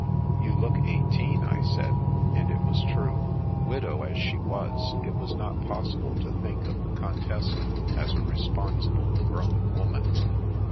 "You look eighteen," I said; and it was true. Widow as she was, it was not possible to think of the Q>ntessa as a responsible, grown woman.